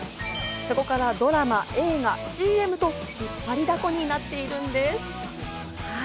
そこからドラマ、映画、ＣＭと引っ張りだこになっているんです。